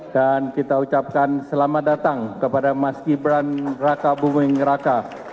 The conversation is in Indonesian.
dan kita ucapkan selamat datang kepada mas gibran raka buming raka